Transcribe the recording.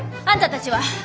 あんたたちは？